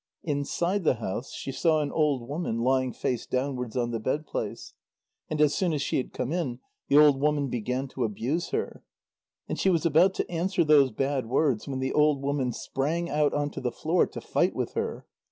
Inside the house, she saw an old woman lying face downwards on the bedplace. And as soon as she had come in, the old woman began to abuse her. And she was about to answer those bad words, when the old woman sprang out on to the floor to fight with her.